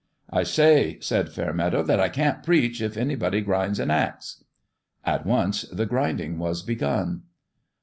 " I say" said Fairmeadow, " that I can't preach if anybody grinds an axe." At once the grinding was begun.